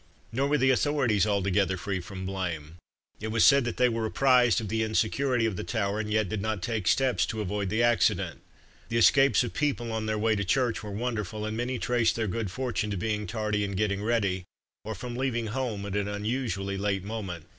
Nor were the authorities altogether free from blame. It was said that they were apprised of the insecurity of the tower, and yet did not take steps to avoid the accident. The escapes of people on their way to church were wonderful, and many traced their good fortune to being tardy in getting ready, or from leaving home at an usually late moment.